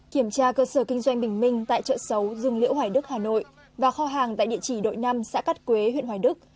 kiểm tra cơ sở kinh doanh bình minh tại chợ sấu rừng liễu hoài đức hà nội và kho hàng tại địa chỉ đội năm xã cát quế huyện hoài đức